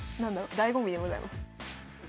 だいご味でございます。